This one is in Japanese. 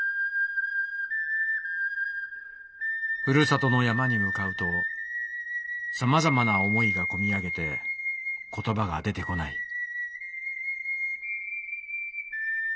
「ふるさとの山に向かうとさまざまな思いがこみ上げてことばが出てこない」。